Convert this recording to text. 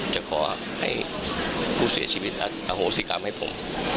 จะขอให้ผู้เสียชีวิตและอโหสิกรรมให้ผม